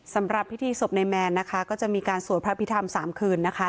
สำหรับพิธีศพในแมนนะคะก็จะมีการสวดพระพิธรรมสามคืนนะคะ